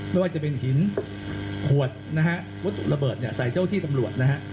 ไม่ว่าจะเป็นหินขวดนะฮะวัตถุระเบิดใส่เจ้าที่ตำรวจนะฮะ